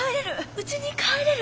うちに帰れる。